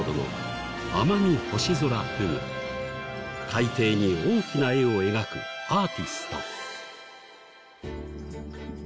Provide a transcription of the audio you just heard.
海底に大きな絵を描くアーティスト。